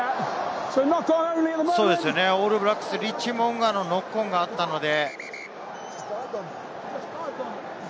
オールブラックスはリッチー・モウンガのノックオンがあったので。